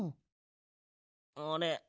あれ？